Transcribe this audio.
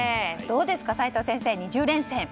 どうですか齋藤先生、２０連戦。